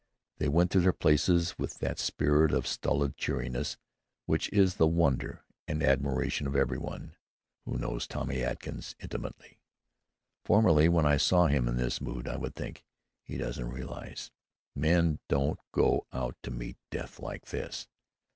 They went to their places with that spirit of stolid cheeriness which is the wonder and admiration of every one who knows Tommy Atkins intimately. Formerly, when I saw him in this mood, I would think, "He doesn't realize. Men don't go out to meet death like this."